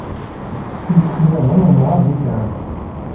Iseyyaḍen nɣan-d ikɛeb.